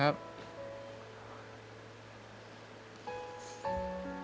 อยากให้มาดูยายมากกว่าครับ